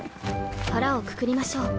腹をくくりましょう。